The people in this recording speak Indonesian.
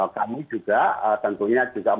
kami juga tentunya juga